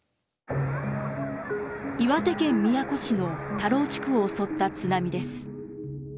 岩手県宮古市の田老地区を襲った津波です。